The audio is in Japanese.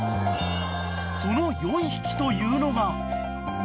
［その４匹というのが］